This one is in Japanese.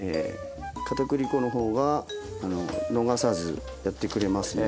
片栗粉の方は逃さずやってくれますね。